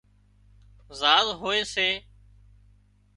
زاز هوئي سي